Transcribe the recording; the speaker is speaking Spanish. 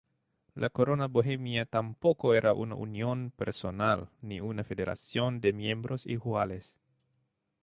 La Corona Bohemia tampoco era una unión personal ni una federación de miembros iguales.